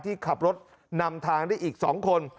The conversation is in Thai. ที่ขับรถนำทางได้อีก๒คน